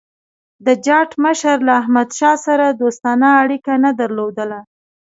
د جاټ مشر له احمدشاه سره دوستانه اړیکي نه درلودل.